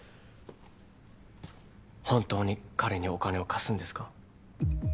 本当に彼にお金を貸すんですか？